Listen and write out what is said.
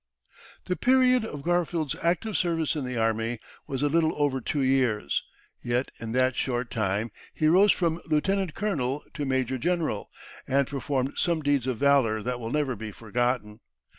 The period of Garfield's active service in the army was a little over two years; yet in that short time he rose from lieutenant colonel to major general, and performed some deeds of valour that will never be forgotten.